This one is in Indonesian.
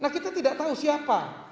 nah kita tidak tahu siapa